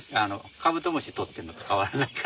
カブトムシ捕ってるのと変わらないから。